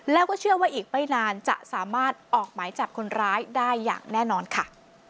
แล้วก็เชื่อว่าอีกไม่นานจะสามารถออกหมายจับคนร้ายได้อย่างแน่นอนค่ะ